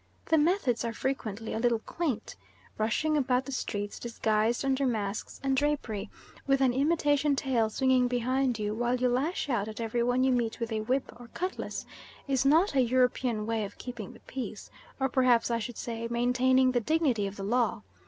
The methods are frequently a little quaint. Rushing about the streets disguised under masks and drapery, with an imitation tail swinging behind you, while you lash out at every one you meet with a whip or cutlass, is not a European way of keeping the peace, or perhaps I should say maintaining the dignity of the Law.